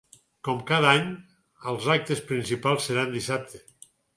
Com cada any, els actes principals seran dissabte.